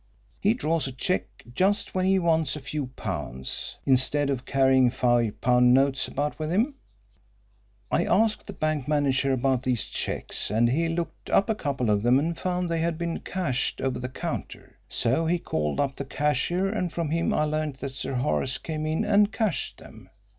He draws a cheque just when he wants a few pounds, instead of carrying five pound notes about with him. I asked the bank manager about these cheques and he looked up a couple of them and found they had been cashed over the counter. So he called up the cashier and from him I learnt that Sir Horace came in and cashed them.